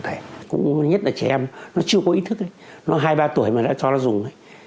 thứ nhất là trẻ em nó chưa có ý thức nó hai ba tuổi mà đã cho nó dùng